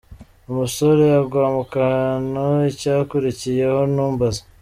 Umusore agwa mu kantu, icyakurikiyeho ntumbaze.